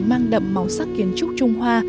mang đậm màu sắc kiến trúc trung hoa